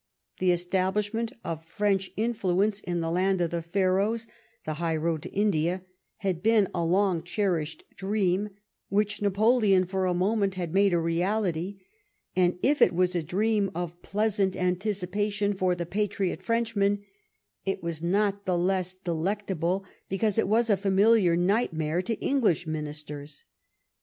The establishment of French influence in the land of the Pharaohs, the high road to India, had been a long cherished dream, which Napoleon for a moment had made a reality ; and if it was a dream of pleasant antici* pation for the patriot Frenchman, it was not the less delectable because it was a familiar nightmare to Eng lish ministers.